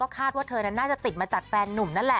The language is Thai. คาดว่าเธอนั้นน่าจะติดมาจากแฟนนุ่มนั่นแหละ